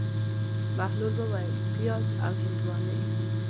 بهلول وویل: پیاز او هندواڼې.